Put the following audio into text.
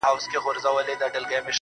o خدایه هغه مه اخلې زما تر جنازې پوري.